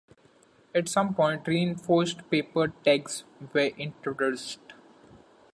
At some point, reinforced paper tags were introduced.